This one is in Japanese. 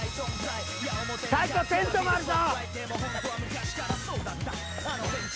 大光テントもあるぞ